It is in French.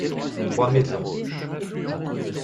Trois maisons.